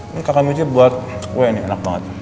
ini kakak mieji buat kue nih enak banget